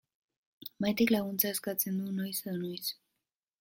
Maitek laguntza eskatzen du noiz edo noiz.